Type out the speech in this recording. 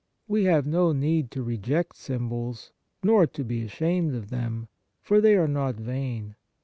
We have no need to reject symbols, nor to be ashamed of them, for they are not vain.